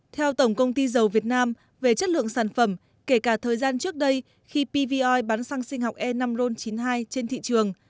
theo tổng công ty dầu việt nam về chất lượng sản phẩm kể cả thời gian trước đây khi pvoi bán xăng sinh học e năm ron chín mươi hai trên thị trường